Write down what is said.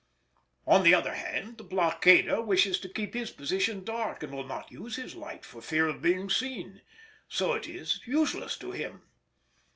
On the other hand, the blockader wishes to keep his position dark and will not use his light for fear of being seen; so it is useless to him.